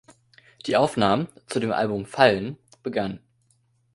Die Aufnahmen zu dem Album "Fallen" begannen.